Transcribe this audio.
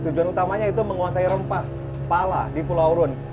tujuan utamanya itu menguasai rempah pala di pulau rune